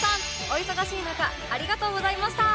お忙しい中ありがとうございました！